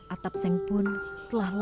atap sengpun telah lari